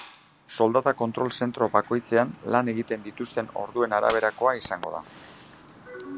Soldata kontrol zentro bakoitzean lan egiten dituzten orduen araberakoa izango da.